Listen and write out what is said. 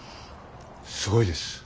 すごいです。